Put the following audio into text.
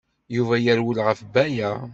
Yuba yerwel ɣef Baya.